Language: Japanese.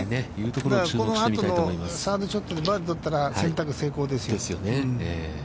この後、サードショットでバーディーを取ったら選択成功ですよ。